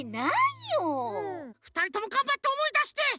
ふたりともがんばっておもいだして！